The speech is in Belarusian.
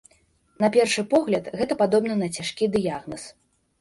На першы погляд, гэта падобна на цяжкі дыягназ.